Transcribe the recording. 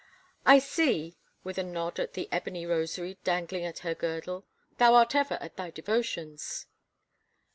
" I see," with a nod at the ebony rosary dangling at her girdle, " thou art ever at thy devotions."